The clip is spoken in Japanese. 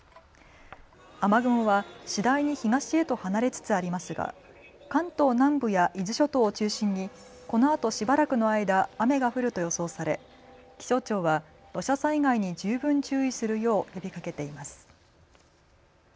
雨雲は次第に東へと離れつつありますが関東南部や伊豆諸島を中心にこのあとしばらくの間、雨が降ると予想され気象庁は土砂災害に十分注意するよう呼びかけています。